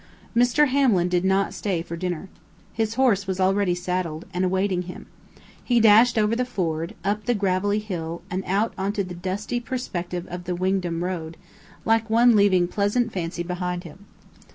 Mr. Hamlin did not stay for dinner. His horse was already saddled, and awaiting him. He dashed over the ford, up the gravelly hill, and out into the dusty perspective of the Wingdam road, like one leaving pleasant fancy behind him.